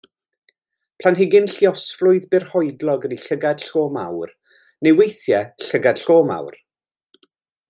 Planhigyn lluosflwydd byrhoedlog ydy llygad llo mawr neu weithiau llygad-llo mawr.